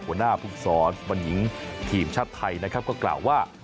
หัวหน้าภูมิสอนบอลหญิงทีมชาติไทยนะครับก็กล่าวว่า